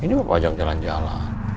ini bapak ajak jalan jalan